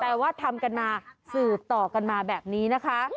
ว่าทำกันมาสืบต่อกันมาแบบนี้นะคะ